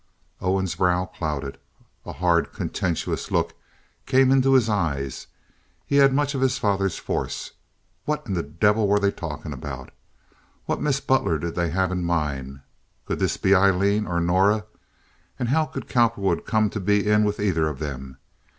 Owen's brow clouded. A hard, contentious look came into his eyes. He had much of his father's force. What in the devil were they talking about? What Miss Butler did they have in mind? Could this be Aileen or Norah, and how could Cowperwood come to be in with either of them?